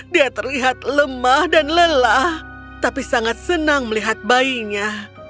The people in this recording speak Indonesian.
dia terlihat lemah dan lelah tapi sangat senang melihat bayinya